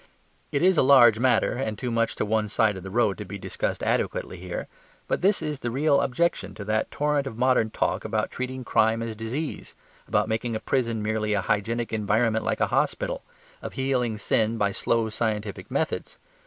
It is a large matter and too much to one side of the road to be discussed adequately here; but this is the real objection to that torrent of modern talk about treating crime as disease, about making a prison merely a hygienic environment like a hospital, of healing sin by slow scientific methods.